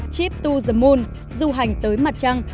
chip to the moon du hành tới mặt trăng